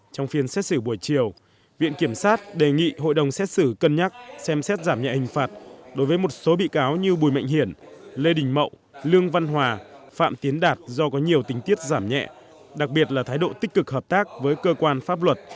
trong phiên xét xử buổi chiều viện kiểm sát đề nghị hội đồng xét xử cân nhắc xem xét giảm nhẹ hình phạt đối với một số bị cáo như bùi mạnh hiển lê đình mậu lương văn hòa phạm tiến đạt do có nhiều tình tiết giảm nhẹ đặc biệt là thái độ tích cực hợp tác với cơ quan pháp luật